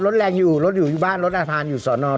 รถแรงอยู่รถอยู่อยู่บ้านรถอาคารอยู่สอนอ